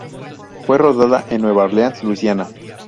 Fue rodada en Nueva Orleans, Luisiana.